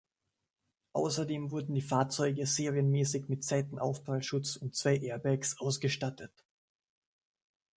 Außerdem wurden die Fahrzeuge serienmäßig mit Seitenaufprallschutz und zwei Airbags ausgestattet.